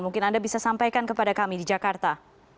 mungkin anda bisa sampaikan kepada kami di jakarta